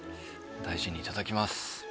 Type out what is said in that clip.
大事にいただきます。